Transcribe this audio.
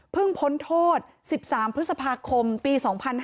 เพิ่งพ้นโทษ๑๓พฤษภาคมปี๒๕๖๓